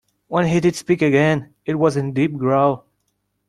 When he did speak again, it was in a deep growl.